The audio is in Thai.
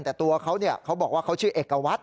แต่ตัวเขาเขาบอกว่าเขาชื่อเอกวัตร